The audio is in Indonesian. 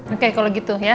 oke kalau gitu ya